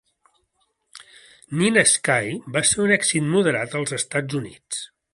"Nina Sky" va ser un èxit moderat als Estats Units.